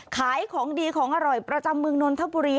ขายของดีของอร่อยประจำเมืองนนทบุรี